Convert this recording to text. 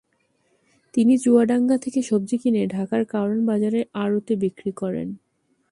তিনি চুয়াডাঙ্গা থেকে সবজি কিনে ঢাকার কারওয়ান বাজারের আড়তে বিক্রি করেন।